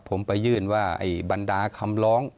ผมไปยื่นว่าไอ้บรรดาคำร้อง